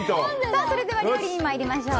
それでは料理に参りましょう。